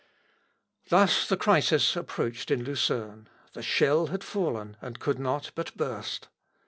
] Thus the crisis approached in Lucerne: the shell had fallen, and could not but burst.